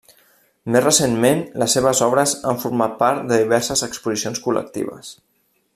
Més recentment, les seves obres han format part de diverses exposicions col·lectives.